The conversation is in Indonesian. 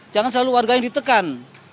jangan selalu warga yang ditekan